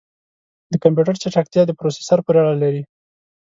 د کمپیوټر چټکتیا د پروسیسر پورې اړه لري.